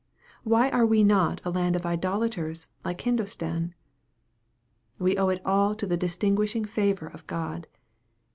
Why are we not a land of idolaters, like Hindostan ? We owe it all to the distinguishing favor of God.